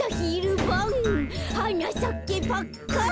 「はなさけパッカン」